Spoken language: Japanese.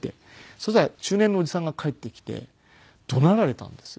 そしたら中年のおじさんが帰ってきて怒鳴られたんですよ